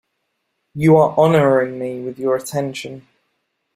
You are honouring me with your attention?